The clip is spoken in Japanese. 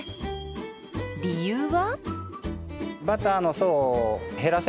理由は。